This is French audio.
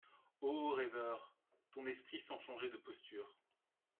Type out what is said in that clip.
O rêveur ! ton esprit, sans changer de posture